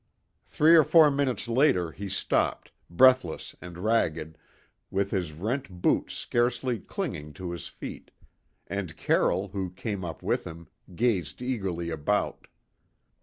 Three or four minutes later, he stopped, breathless and ragged, with his rent boots scarcely clinging to his feet; and Carroll, who came up with him, gazed eagerly about.